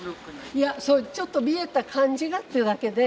いやちょっと見えた感じがって言うだけで。